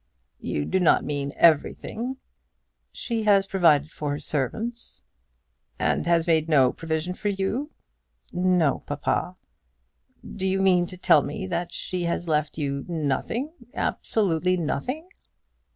"You do not mean everything?" "She has provided for her servants." "And has made no provision for you?" "No, papa." "Do you mean to tell me that she has left you nothing, absolutely nothing?"